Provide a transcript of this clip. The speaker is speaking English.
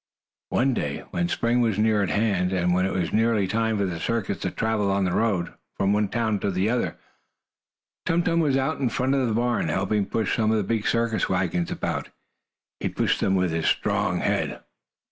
One day, when spring was near at hand, and when it was nearly time for the circus to travel on the road, from one town to another, Tum Tum was out in front of the barn, helping push some of the big circus wagons about. He pushed them with his strong head.